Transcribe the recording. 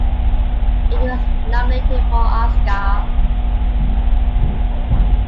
It was nominated for an Oscar.